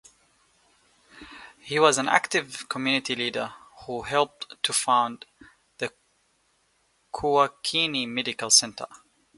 He was an active community leader who helped to found the Kuakini Medical Center.